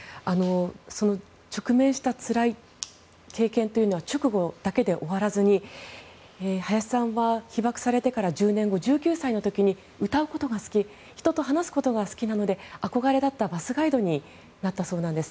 直面したつらい経験は直後だけで終わらず早志さんは被爆されてから１０年後１９歳の時に、歌うことが好き人と話すことが好きなので憧れだったバスガイドになったそうなんです。